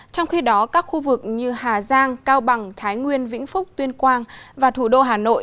trong khi đó các khu vực như hà giang cao bằng thái nguyên vĩnh phúc tuyên quang và thủ đô hà nội